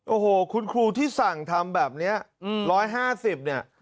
โอ้โหคุณครูที่สั่งทำแบบนี้๑๕๐เนี่ย